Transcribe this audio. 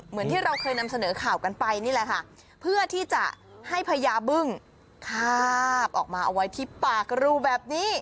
เหมือนที่เราเคยนำเสนอข่าวกันไปนี่แหละค่ะเพื่อที่จะให้พญาบึ้งคาบออกมาเอาไว้ที่ปากรูแบบนี้